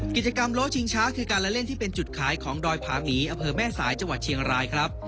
กิจกรรมโลชิงช้าคือการละเล่นที่เป็นจุดขายของดอยผาหมีอเภอแม่สายจังหวัดเชียงรายครับ